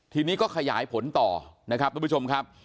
ทีนี้ก็ขยายผลต่อนะครับทุกผู้ชมครับ